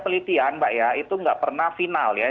pelitian mbak ya itu nggak pernah final ya